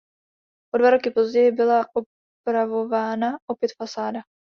O dva roky později byla opravována opět fasáda.